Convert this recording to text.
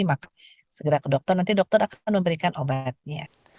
maka segera ke dokter nanti dokter akan memberikan obatnya